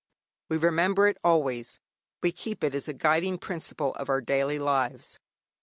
We remember it always; we keep it as a guiding principle of our daily lives.